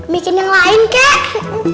bikin yang lain kek